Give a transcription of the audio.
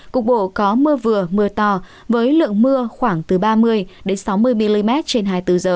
cục bộ có mưa vừa mưa to với lượng mưa khoảng từ ba mươi sáu mươi mm trên hai mươi bốn h